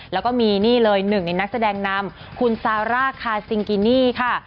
แล้วก็มีนี่เลยหนึ่งในนักแสดงนำคุณซาร่าคาซิงกินี่ค่ะ